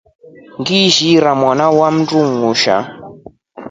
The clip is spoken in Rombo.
Ngiishi ira mwana mta undushaa.